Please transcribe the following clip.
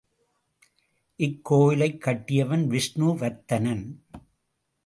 இக்கோயிலைக் கட்டியவன் விஷ்ணு வர்த்தனன்.